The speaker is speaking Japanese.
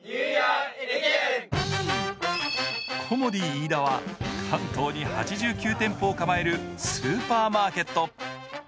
コモディイイダは、関東に８９店舗を構えるスーパーマーケット。